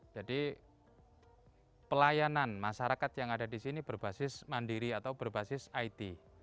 pelayanan masyarakat yang ada di sini berbasis mandiri atau berbasis it